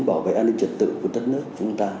bảo vệ an ninh trật tự của đất nước của chúng ta